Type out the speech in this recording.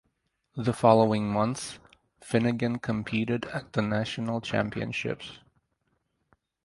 The following month Finnegan competed at the National Championships.